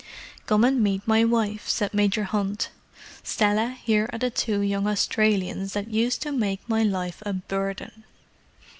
"Come and meet my wife," said Major Hunt. "Stella, here are the two young Australians that used to make my life a burden!"